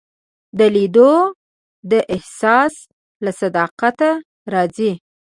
دا لید د احساس له صداقت راځي.